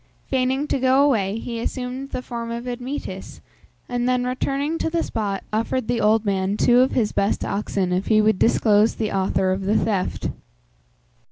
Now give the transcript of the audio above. Feigning to go away, he assumed the form of Admetus, and then returning to the spot offered the old man two of his best oxen if he would disclose the author of the theft.